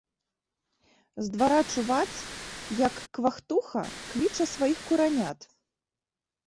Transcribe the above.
З двара чуваць, як квактуха кліча сваіх куранят.